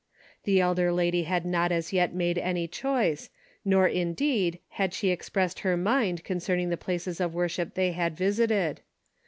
The elder lady had not as yet made any choice, nor, indeed, had she expressed her mind concerning the places of worship they had visited.